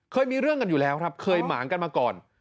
เคยมีเรื่องกันอยู่แล้วครับเคยหมางกันมาก่อน